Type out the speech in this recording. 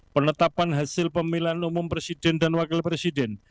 penetapan hasil pemilihan umum presiden dan wakil presiden